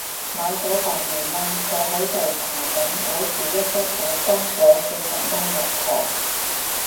買咗百二蚊，坐喺度搽緊嗰時一失手揈咗四十蚊落枱